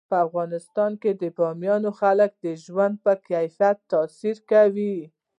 په افغانستان کې بامیان د خلکو د ژوند په کیفیت تاثیر کوي.